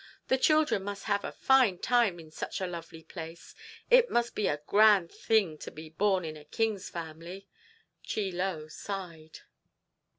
The children must have a fine time in such a lovely place. It must be a grand thing to be born in a king's family." Chie Lo sighed.